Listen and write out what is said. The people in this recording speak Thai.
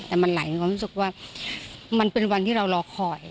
แต่มันหลายความรู้สึกว่ามันเป็นวันที่เรารอคอย